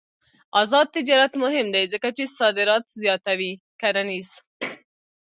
آزاد تجارت مهم دی ځکه چې صادرات زیاتوي کرنيز.